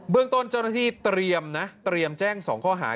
เบื้องต้นเจ้าหน้าที่เตรียมแจ้ง๒ข้อหา